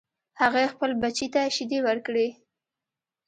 هغې خپل بچی ته شیدې ورکړې